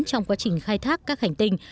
trong quá trình khai thác các hành tinh